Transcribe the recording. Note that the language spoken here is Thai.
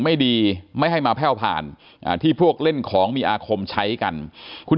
ไม่ดีไม่ให้มาแพ่วผ่านที่พวกเล่นของมีอาคมใช้กันคุณ